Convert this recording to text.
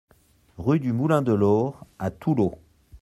Rue du Moulin de l'Aure à Toulaud